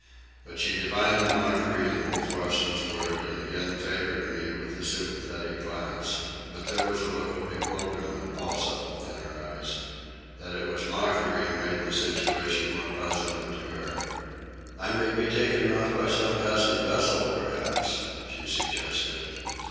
But she divined the mockery in Wolf Larsen's words, and again favoured me with a sympathetic glance. But there was a look of bewilderment also in her eyes. That it was mockery made the situation more puzzling to her. "I may be taken off by some passing vessel, perhaps," she suggested.